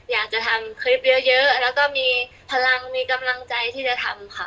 อยากจะทำคลิปเยอะแล้วก็มีพลังมีกำลังใจที่จะทำค่ะ